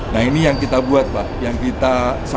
nah ini yang kita buat pak yang kita sampaikan